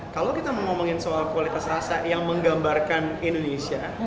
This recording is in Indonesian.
kalau kita mau ngomongin soal kualitas rasa yang menggambarkan indonesia